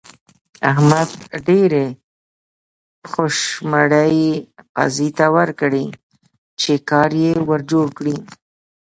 احمد ډېرې خوشمړې قاضي ته ورکړې چې کار يې ور جوړ کړي.